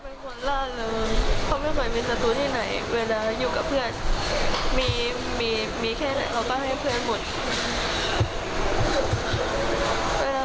เวลาไม่เที่ยวไปอะไรแบบนี้พ่อก็สัญญา